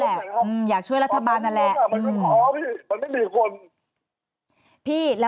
อ่าอ่าอ่าอ่าอ่าอ่าอ่าอ่าอ่าอ่าอ่าอ่าอ่าอ่าอ่าอ่า